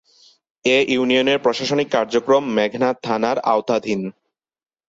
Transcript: এ ইউনিয়নের প্রশাসনিক কার্যক্রম মেঘনা থানার আওতাধীন।